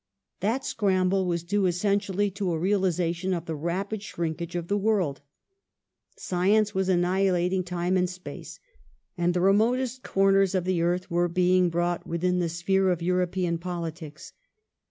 That scramble was due essentially to a realization of the rapid shrinkage of the world. Science was annihilating time and space, and the remotest corners of the earth were being brought within the sphere of Euro pean politics.